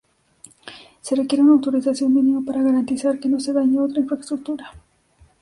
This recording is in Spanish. Se requiere una autorización mínima para garantizar que no se dañe otra infraestructura.